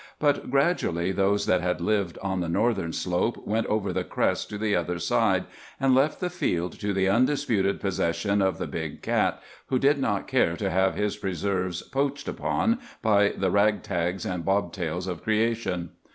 But gradually those that had lived on the northern slope went over the crest to the other side, and left the field to the undisputed possession of the big cat, who did not care to have his preserves poached upon by the rag tags and bob tails of creation.